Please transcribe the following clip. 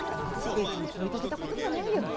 別に取り立てたことじゃないよ。